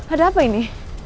ada apa ini